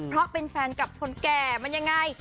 เพราะเป็นแฟนกับคนแก่มันยังไง